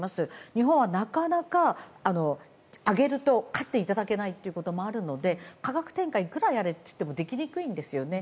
日本はなかなか上げると買っていただけないということもあるので価格転嫁をいくらやれと言ってもできにくいんですよね。